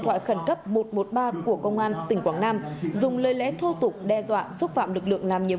thoại khẩn cấp một trăm một mươi ba của công an tỉnh quảng nam dùng lời lẽ thô tục đe dọa xúc phạm lực lượng làm nhiệm